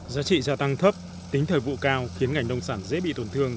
giá trị gia tăng thấp tính thời vụ cao khiến ngành nông sản dễ bị tổn thương